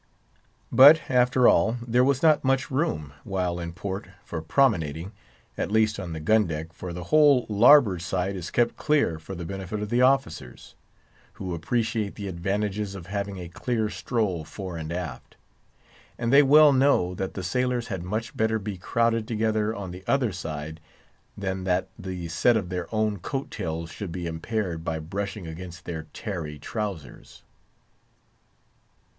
But, after all, there was not much room, while in port, for promenading, at least on the gun deck, for the whole larboard side is kept clear for the benefit of the officers, who appreciate the advantages of having a clear stroll fore and aft; and they well know that the sailors had much better be crowded together on the other side than that the set of their own coat tails should be impaired by brushing against their tarry trowsers.